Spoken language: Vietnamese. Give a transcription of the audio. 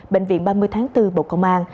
bệnh viện ba mươi tháng bốn bộ công an